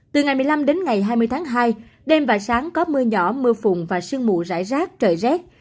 từ ngày một mươi năm đến ngày hai mươi tháng hai đêm và sáng có mưa nhỏ mưa phùn và sương mù rải rác trời rét